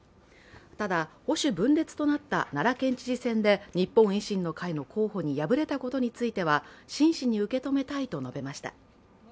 ただ、保守分裂となった奈良県知事選で日本維新の会の候補に敗れたことについては真摯に受け止めたいと述べました。